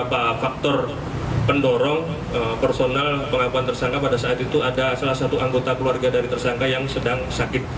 apa faktor pendorong personal pengakuan tersangka pada saat itu ada salah satu anggota keluarga dari tersangka yang sedang sakit